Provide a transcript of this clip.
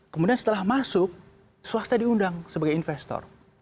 kemudian setelah masuk swasta diundang sebagai investor